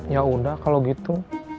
yaudah kalau gitu